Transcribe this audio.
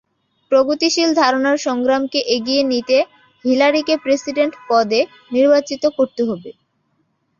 প্রগতিশীল ধারণার সংগ্রামকে এগিয়ে নিতে হিলারিকে প্রেসিডেন্ট পদে নির্বাচিত করতে হবে।